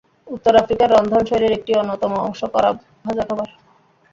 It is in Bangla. উত্তর আফ্রিকার রন্ধন শৈলীর একটি অন্যতম অংশ কড়া ভাজা খাবার।